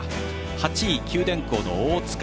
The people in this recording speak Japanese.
８位、九電工の大塚。